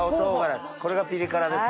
これがピリ辛ですね。